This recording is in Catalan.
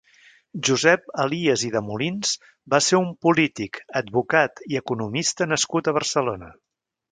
Josep Elias i de Molins va ser un polític, advocat i economista nascut a Barcelona.